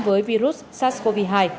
với virus sars cov hai